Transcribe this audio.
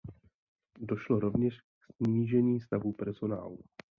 Došlo rovněž k snížení stavů personálu.